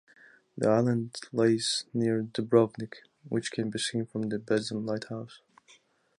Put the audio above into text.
The island lays near Dubrovnik, which can be seen from the Bezdan lighthouse.